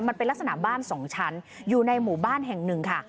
มันเป็นลักษณะบ้านสองชั้นอยู่ในหมู่บ้านแห่งหนึ่งค่ะ